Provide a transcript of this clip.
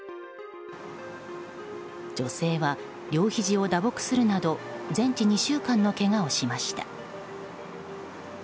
女性は両ひじを打撲するなど全治２週間のけがをしました。